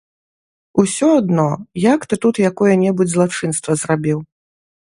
Усё адно, як ты тут якое-небудзь злачынства зрабіў.